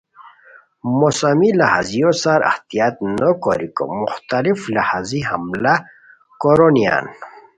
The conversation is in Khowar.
موسمی لہازیو سار احتیاط نو کوریکو مختلف لہازی حملہ کورونیان